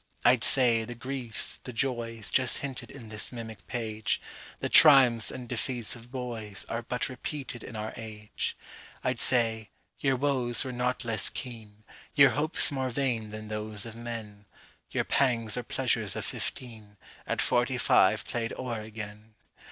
—I'd say, the griefs, the joys, Just hinted in this mimic page, The triumphs and defeats of boys, Are but repeated in our age. I'd say, your woes were not less keen, Your hopes more vain than those of men; Your pangs or pleasures of fifteenAt forty five played o'er again.